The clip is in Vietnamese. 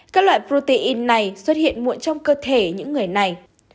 các loại protein này xuất hiện muộn trong cơ thể những người này